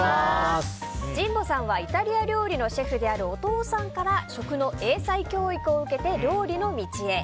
神保さんはイタリア料理のシェフであるお父さんから食の英才教育を受けて料理の道へ。